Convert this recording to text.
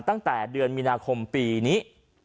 ตั้งแต่เดือนมีนาคมปีนี้